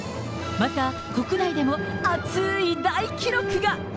また、国内でも熱ーい大記録が。